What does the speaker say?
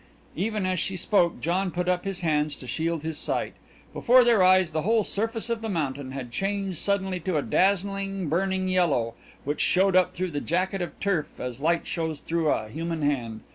Even as she spoke John put up his hands to shield his sight. Before their eyes the whole surface of the mountain had changed suddenly to a dazzling burning yellow, which showed up through the jacket of turf as light shows through a human hand.